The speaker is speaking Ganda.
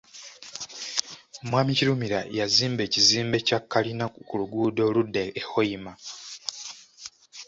Mwami Kirumira yazimba ekizimbe kya kalina ku luguudo oludda e Hoima.